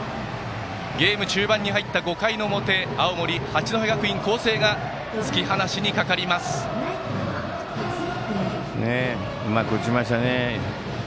ゲーム中盤に入った５回の表青森・八戸学院光星がうまく打ちましたね。